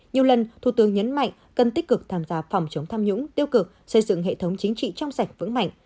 nhiều lần thủ tướng nhấn mạnh cần tích cực tham gia phòng chống tham nhũng tiêu cực xây dựng hệ thống chính trị trong sạch vững mạnh